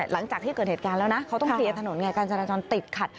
หลังจากที่เกิดเหตุการณ์แล้วนะเขาต้องเคลียร์ถนนไงการจราจรติดขัด